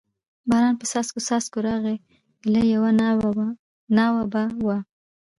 باران په څاڅکو څاڅکو راغی، ایله یوه ناوه به و.